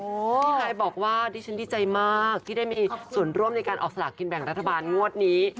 พี่ฮายบอกว่าดิฉันดีใจมากที่ได้มีส่วนร่วมในการออกสลากกินแบ่งรัฐบาลงวดนี้